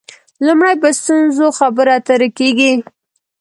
لومړی په ستونزو خبرې اترې کېږي.